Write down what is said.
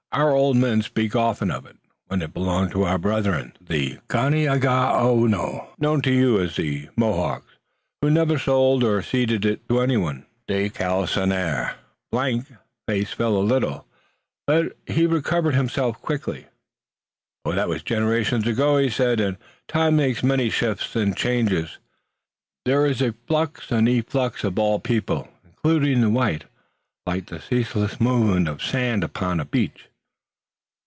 "Our old men speak often of it, when it belonged to our brethren, the Ganeagaono, known to you as the Mohawks, who never sold or ceded it to anybody." De Galisonnière's face fell a little, but he recovered himself quickly. "That was generations ago," he said, "and time makes many shifts and changes. There is a flux and efflux of all people, including the white, like the ceaseless movement of sand upon a beach."